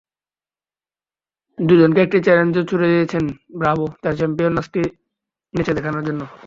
দুজনকে একটি চ্যালেঞ্জও ছুড়ে দিয়েছেন ব্রাভো, তাঁর চ্যাম্পিয়ন নাচটি নেচে দেখানোর জন্য।